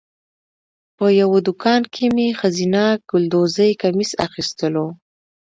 په یوه دوکان کې مې ښځینه ګلدوزي کمیس اخیستلو.